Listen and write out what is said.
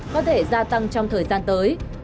có thể gia tăng trong thời gian tới